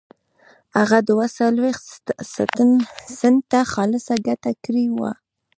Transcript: هغه دوه څلوېښت سنټه خالصه ګټه کړې وه